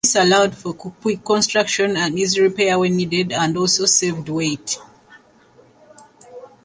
This allowed for quick construction and easy repair when needed and also saved weight.